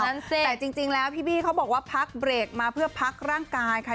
นั่นสิแต่จริงแล้วพี่บี้เขาบอกว่าพักเบรกมาเพื่อพักร่างกายค่ะ